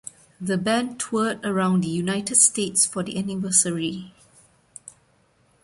The band toured around the United States for the anniversary.